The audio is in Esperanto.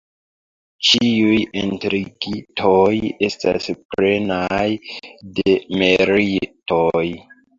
Ĉiuj enterigitoj estas plenaj de meritoj.